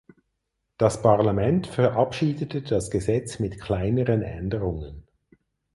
Das Parlament verabschiedete das Gesetz mit kleineren Änderungen.